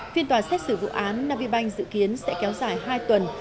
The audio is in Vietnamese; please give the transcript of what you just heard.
phiên tòa xét xử vụ án navibank dự kiến sẽ kéo dài hai tuần